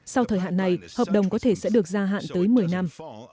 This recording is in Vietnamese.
sau thời hạn này hợp đồng có thể sẽ được gia hạn tới một mươi năm